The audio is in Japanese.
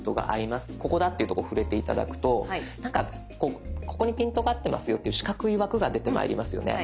ここだっていうところ触れて頂くとなんかここにピントが合ってますよっていう四角い枠が出てまいりますよね。